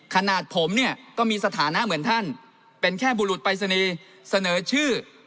ขนาดผมเนี่ยก็มีสถานะเหมือนท่านเป็นแค่บุรุษปรายศนีย์เสนอชื่อ